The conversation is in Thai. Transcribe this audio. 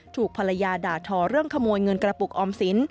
ถูกภรรยาด่าทอเรื่องขโมยเงินกระปุกออมสิน